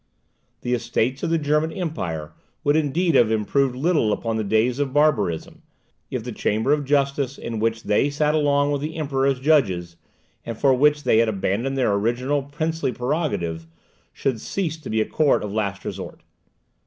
The Estates of the German Empire would indeed have improved little upon the days of barbarism, if the Chamber of Justice in which they sat along with the Emperor as judges, and for which they had abandoned their original princely prerogative, should cease to be a court of the last resort.